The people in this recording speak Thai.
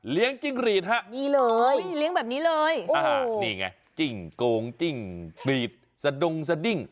เลี้ยงจิ้งรีดฮะโอ้ยเลี้ยงแบบนี้เลยนี่ไงจิ้งโกงจิ้งปีดสะดงสะดิ้ง